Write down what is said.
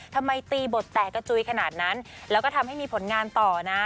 ทำไมตีบทแตกกระจุยขนาดนั้นแล้วก็ทำให้มีผลงานต่อนะ